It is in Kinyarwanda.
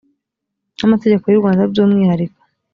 n amategeko y u rwanda by umwihariko